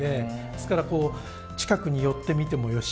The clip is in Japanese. ですから近くに寄って見てもよし。